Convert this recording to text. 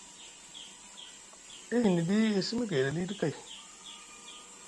E hiniɗi e simi gayɗi aliɗi kay.